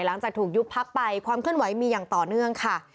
หลังจากถูกยุบพักไปความเคลื่อนไหวมีอย่างต่อเนื่องค่ะ